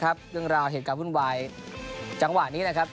เรื่องราวเหตุการณ์วุ่นวายจังหวะนี้นะครับ